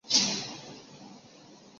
江苏武进人。